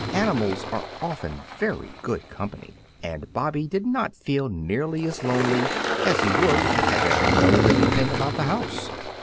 Animals are often very good company, and Bobby did not feel nearly as lonely as he would had there been no living thing about the house.